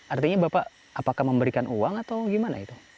artinya bapak apakah memberikan uang atau gimana itu